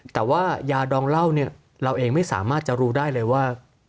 แต่ว่ายาดองเหล้าเนี่ยเราเองไม่สามารถจะรู้ได้เลยว่า